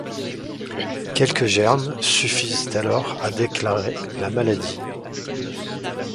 Quelques germes suffisent alors à déclarer la maladie.